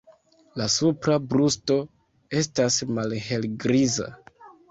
La supra brusto estas malhelgriza.